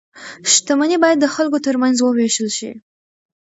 شتمني باید د خلکو ترمنځ وویشل شي.